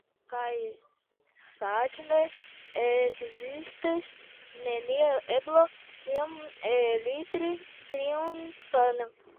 Kaj ŝajne ekzistis nenia eblo iam eliri tiun ĉambron.